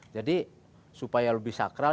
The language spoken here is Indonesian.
jadi supaya lebih sakral